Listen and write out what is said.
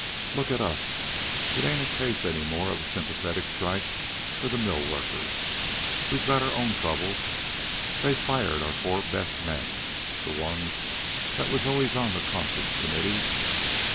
"Look at us. It ain't a case any more of sympathetic strike for the mill workers. We got our own troubles. They've fired our four best men the ones that was always on the conference committees.